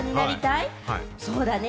そうだね！